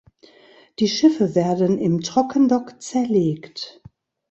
Die Schiffe werden im Trockendock zerlegt.